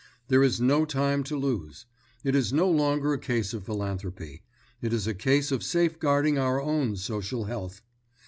There is no time to lose. It is no longer a case of philanthropy; it is a case of safeguarding our own social health.